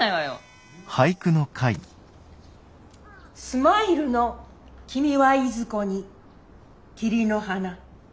「スマイルの君はいずこに桐の花」。